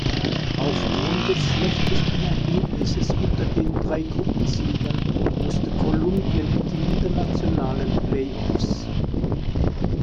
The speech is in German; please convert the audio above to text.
Aufgrund des schlechtesten Ergebnisses unter den drei Gruppensiegern musste Kolumbien in die Internationalen Playoffs.